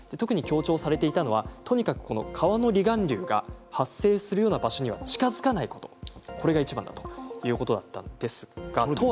特に強調されていたのは特に川の離岸流が発生するような場所には近づかないことこれがいちばんだということだったんです。